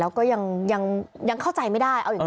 แล้วก็ยังเข้าใจไม่ได้